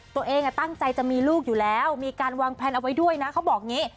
ตัวเองตั้งใจจะมีลูกอยู่แล้วมีการวางแพลนเอาไว้ด้วยนะเขาบอกอย่างนี้